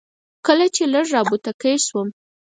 کله چې لږ را بوتکی شوم.